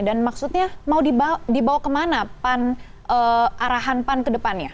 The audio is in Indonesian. dan maksudnya mau dibawa ke mana arahan pan ke depannya